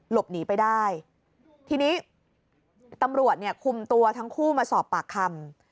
หลบหนีไปได้ทีนี้ตำรวจเนี่ยคุมตัวทั้งคู่มาสอบปากคำ